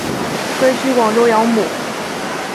归居广州养母。